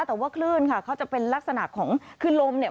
แต่ว่าคลื่นค่ะเขาจะเป็นลักษณะของคือลมเนี่ย